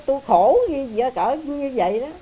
tôi khổ như vậy đó